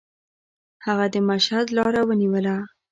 هغه د مشهد لاره ونیوله.